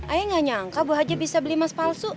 ayah gak nyangka bu haji bisa beli emas palsu